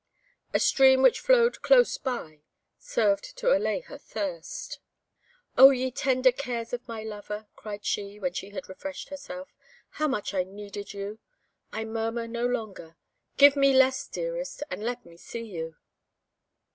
A stream which flowed close by served to allay her thirst. "Oh, ye tender cares of my lover," cried she, when she had refreshed herself, "how much I needed you! I murmur no longer. Give me less, dearest, and let me see you!"